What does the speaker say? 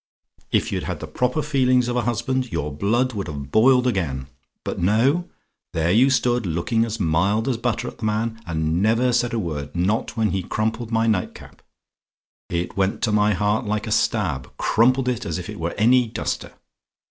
if you'd had the proper feelings of a husband, your blood would have boiled again. But no! There you stood looking as mild as butter at the man, and never said a word; not when he crumpled my night cap it went to my heart like a stab crumpled it as if it were any duster.